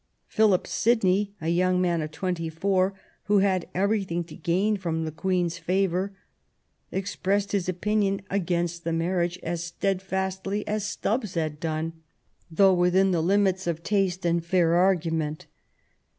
Philip Sidney, a young man of twenty four, who had everything to gain from the Queen's favour, expressed his opinion against the marriage as stead fastly as Stubbs had done, though within the limits of good taste and fair argument.